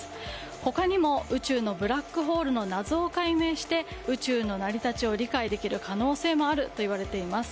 他にも、宇宙のブラックホールの謎を解明して宇宙の成り立ちを理解できる可能性もあるといわれています。